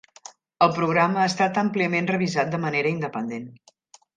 El programa ha estat àmpliament revisat de manera independent.